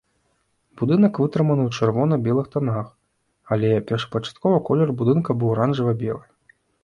Будынак вытрыманы ў чырвона-белых тонах, але першапачаткова колер будынка быў аранжава-белы.